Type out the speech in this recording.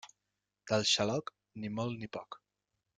Del xaloc, ni molt ni poc.